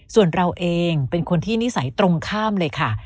ส่วนเราเองเป็นคนที่นิสัยตรงข้ามเลยค่ะ